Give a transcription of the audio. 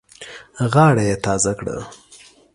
غاړه یې تازه کړه.